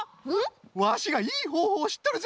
ワシがいいほうほうをしっとるぞ！